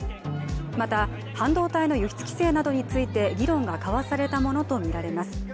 また、半導体の輸出規制などについて議論が交わされたものとみられます。